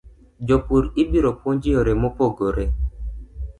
Jopur ibiro puonj yore mopogore